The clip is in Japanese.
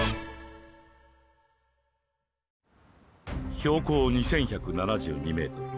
標高２１７２ｍ。